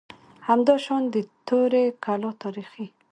همداشان د توري کلا تاریخي